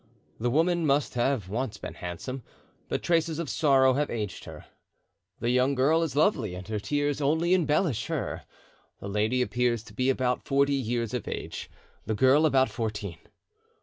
The woman must have once been handsome, but traces of sorrow have aged her. The young girl is lovely and her tears only embellish her; the lady appears to be about forty years of age, the girl about fourteen.